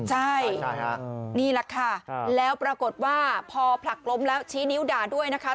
ใช่นี่แหละค่ะแล้วปรากฏว่าพอผลักล้มแล้วชี้นิ้วด่าด้วยนะคะ